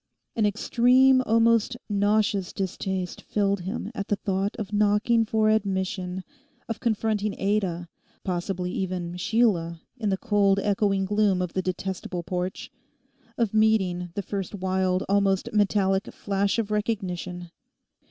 An extreme, almost nauseous distaste filled him at the thought of knocking for admission, of confronting Ada, possibly even Sheila, in the cold echoing gloom of the detestable porch; of meeting the first wild, almost metallic, flash of recognition.